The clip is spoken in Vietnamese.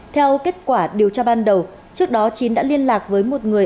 theo kết quả điều tra ban đầu trước đó chín đã liên lạc với một người